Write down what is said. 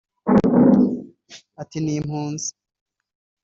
ati “Ni impunzi